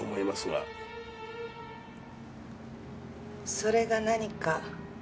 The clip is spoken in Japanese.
それが何か？